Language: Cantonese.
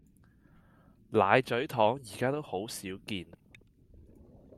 奶咀糖而家都好少見